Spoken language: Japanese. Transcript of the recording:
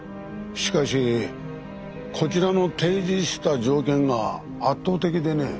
しかしこちらの提示した条件が圧倒的でね。